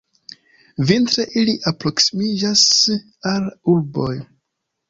Vintre ili alproksimiĝas al urboj.